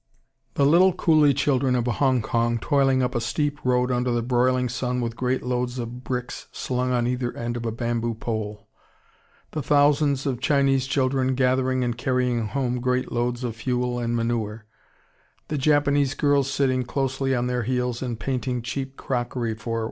] The little coolie children of Hong Kong toiling up a steep road under the broiling sun with great loads of bricks slung on either end of a bamboo pole; the thousands of Chinese children gathering and carrying home great loads of fuel and manure; the Japanese girls sitting closely on their heels and painting cheap crockery for $1.